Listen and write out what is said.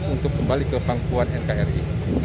untuk kembali ke pangkuan nkri